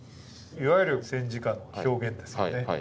いわゆる戦時下の表現ですよね。